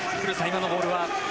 今のボールは。